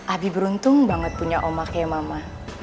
abi beruntung banget punya oma kayak mama